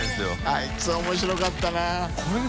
あいつ面白かったな。